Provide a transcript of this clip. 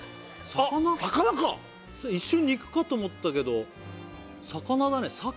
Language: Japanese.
あっ魚か一瞬肉かと思ったけど魚だね鮭